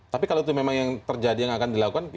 tapi kalau itu memang yang terjadi yang akan dilakukan